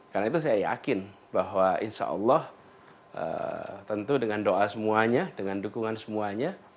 karena itu saya yakin bahwa insya allah tentu dengan doa semuanya dengan dukungan semuanya